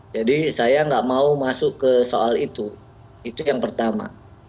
jadi saya tidak mau masuk ke soal itu itu yang pertama